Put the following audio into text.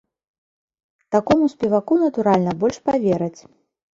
Такому спеваку, натуральна, больш павераць!